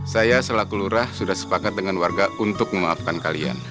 saya selaku lurah sudah sepakat dengan warga untuk memaafkan kalian